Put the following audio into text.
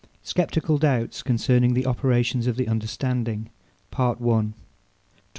SCEPTICAL DOUBTS CONCERNING THE OPERATIONS OF THE UNDERSTANDING. PART I. 20.